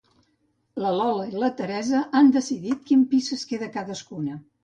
La Lola i la Teresa ja han decidit quin pis es queda cadascuna.